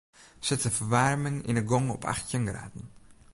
Set de ferwaarming yn 'e gong op achttjin graden.